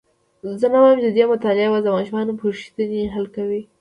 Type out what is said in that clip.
زه نه وایم چې ددې مطالعه یوازي د ماشومانو پوښتني حل کوي.